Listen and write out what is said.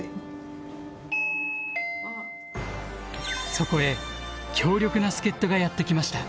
そこへ強力な助っ人がやって来ました。